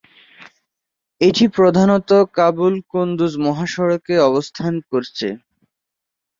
এটি প্রধানত কাবুল-কুন্দুজ মহাসড়কে অবস্থান করছে।